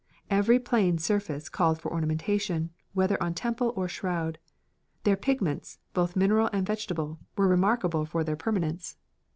Every plane surface called for ornamentation, whether on temple or shroud. Their pigments, both mineral and vegetable, were remarkable for their permanence.